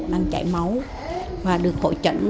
đang chảy máu và được hội trận